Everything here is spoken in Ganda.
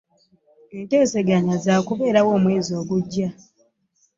Enteseganya zakuberawo omwezi ogujja.